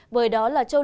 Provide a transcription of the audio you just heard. bởi đó là châu lục